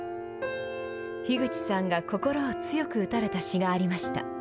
樋口さんが心を強く打たれた詩がありました。